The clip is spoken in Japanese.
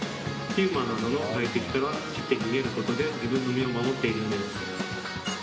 ピューマなどの外敵から走って逃げることで自分の身を守っているんです。